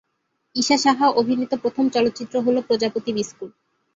ইশা সাহা অভিনীত প্রথম চলচ্চিত্র হল প্রজাপতি বিস্কুট।